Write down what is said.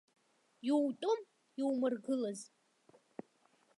Иутәым, иумыргылаз.